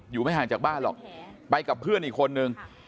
ไม่ห่างจากบ้านหรอกไปกับเพื่อนอีกคนนึง